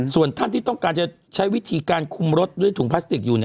ส่วนท่านที่ต้องการจะใช้วิธีการคุมรถด้วยถุงพลาสติกอยู่